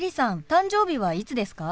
誕生日はいつですか？